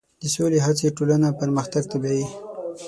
د سولې هڅې ټولنه پرمختګ ته بیایي.